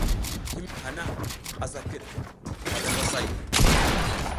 Himid hana asa kid mada ngwasay.